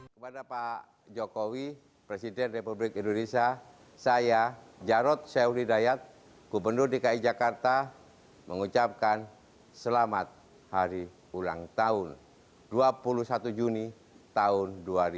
kepada pak jokowi presiden republik indonesia saya jarod syaudidayat gubernur dki jakarta mengucapkan selamat hari ulang tahun dua puluh satu juni tahun dua ribu dua puluh